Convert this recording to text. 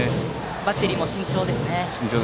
バッテリーも慎重です。